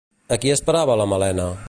A qui esperava la Malena?